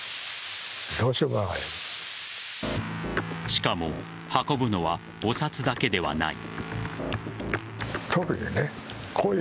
しかも運ぶのはお札だけではない。